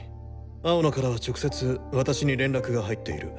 青野からは直接私に連絡が入っている。